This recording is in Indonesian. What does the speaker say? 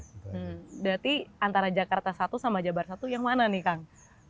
berarti antara jakarta satu sama jabar satu yang mana nih kang